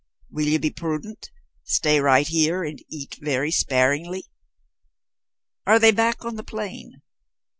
"Will you be prudent stay right here, eat very sparingly? Are they back on the plain?